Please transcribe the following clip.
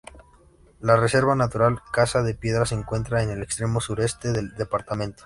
La reserva natural Casa de Piedra se encuentra en el extremo sureste del departamento.